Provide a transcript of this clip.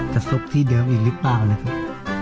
จะสุขที่เดิมหรือเปล่านะครับ